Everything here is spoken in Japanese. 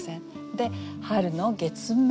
で「春の月面」。